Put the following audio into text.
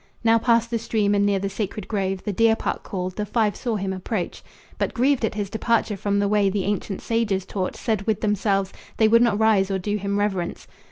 Now past the stream and near the sacred grove The deer park called, the five saw him approach. But grieved at his departure from the way The ancient sages taught, said with themselves They would not rise or do him reverence.